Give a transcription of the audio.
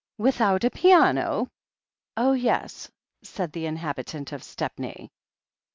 "Without a piano?" "Oh, yes," said the inhabitant of Stepney.